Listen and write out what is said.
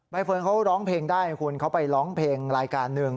เฟิร์นเขาร้องเพลงได้คุณเขาไปร้องเพลงรายการหนึ่ง